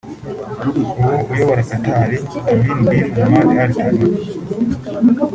ubu uyobora Qatar (Tamim bin Hamad Al Thani)